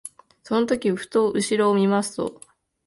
その時ふと後ろを見ますと、